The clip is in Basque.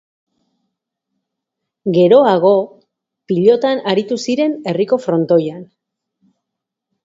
Geroago, pilotan aritu ziren herriko frontoian.